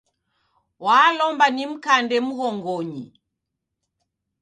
Walomba nimkande mghongonyi